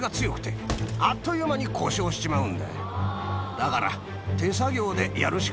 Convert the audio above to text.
だから。